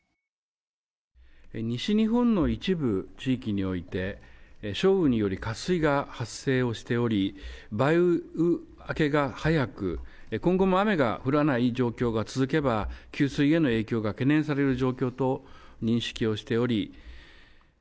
西日本の一部地域において、少雨により渇水が発生をしており、梅雨明けが早く、今後も雨が降らない状況が続けば、給水への影響が懸念される状況と認識をしており。